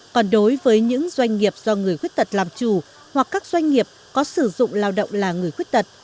còn đối với những doanh nghiệp do người khuyết tật làm chủ hoặc các doanh nghiệp có sử dụng lao động là người khuyết tật